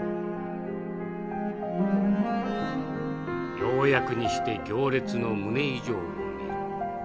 「ようやくにして行列の胸以上を見る。